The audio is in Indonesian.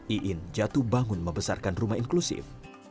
iin jatuh bangun membesarkan rumah inklusif